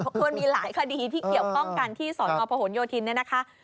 เพราะมีหลายคดีที่เกี่ยวกับป้องกันที่สพโยธินนี่นะคะ